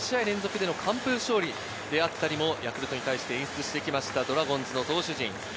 ２試合連続の完封勝利であったり、ヤクルトに対して演出してきたドラゴンズの投手陣。